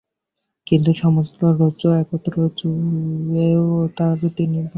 কিন্তু সমস্ত রজ্জু একত্র জুড়েও তার দ্বারা তিনি তাঁকে বাঁধতে পারলেন না।